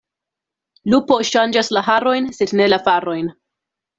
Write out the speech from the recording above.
Lupo ŝanĝas la harojn, sed ne la farojn.